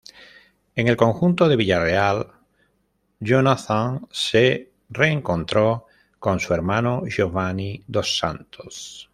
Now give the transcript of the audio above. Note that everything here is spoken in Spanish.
En el conjunto de Villarreal, "Jonathan" se reencontró con su hermano Giovani dos Santos.